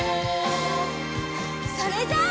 それじゃあ。